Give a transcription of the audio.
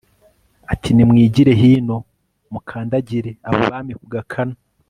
ati nimwigire hino, mukandagire abo bami ku gakanu